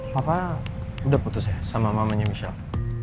papa udah putus ya sama mamanya michel